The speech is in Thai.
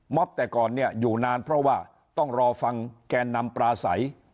แต่ก่อนเนี่ยอยู่นานเพราะว่าต้องรอฟังแกนนำปลาใส